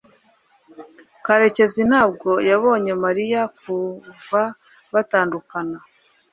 karekezi ntabwo yabonye mariya kuva batandukana